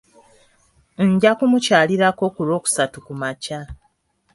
Nja kumukyalirako ku lwokusatu kumakya.